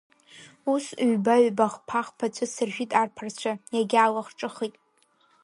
Ус ҩба-ҩба, хԥа-хԥа ҵәыца ржәит арԥарцәа, иагьаалахҿыххеит.